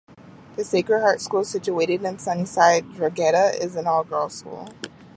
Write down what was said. The Sacred Heart School, situated in Sunnyside Drogheda, is an all-girls school.